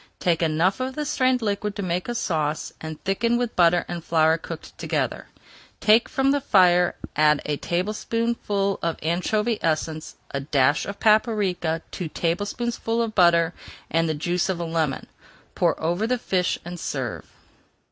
Take enough of the strained liquid to make a sauce, and thicken with butter and flour cooked together. Take from the fire, add a tablespoonful of anchovy essence, a dash of paprika, two tablespoonfuls of butter, and the juice of a lemon. Pour over the fish and serve.